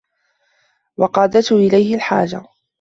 وَقَادَتْهُ إلَيْهِ الْحَاجَةُ